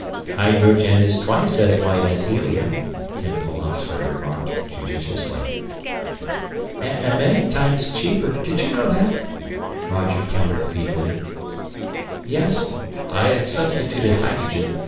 "Hydrogen is twice as light as helium," Tin Philosopher remarked judiciously. "And many times cheaper did you know that?" Roger countered feebly. "Yes, I substituted hydrogen.